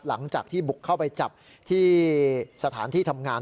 หลังจากที่บุกเข้าไปจับที่สถานที่ทำงาน